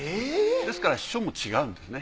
ですから書も違うんですね。